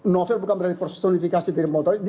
novel bukan berarti personifikasi dari motor